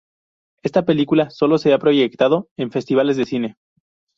Esta película sólo se ha proyectado en festivales de cine.